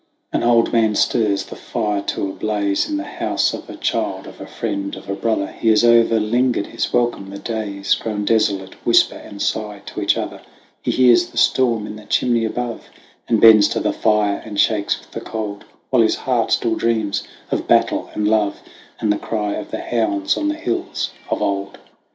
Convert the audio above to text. "An old man stirs the fire to a blaze, In the house of a child, of a friend, of a brother ; He has over lingered his welcome ; the days, Grown desolate, whisper and sigh to each other; He hears the storm in the chimney above, And bends to the fire and shakes with the cold, THE WANDERINGS OF OISIN 93 While his heart still dreams of battle and love, And the cry of the hounds on the hills of old.